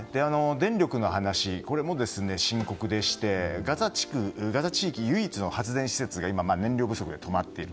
電力の話も深刻でしてガザ地域、唯一の発電施設が今、燃料不足で止まっている。